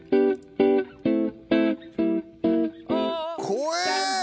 怖え！